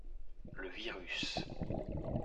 Le virus.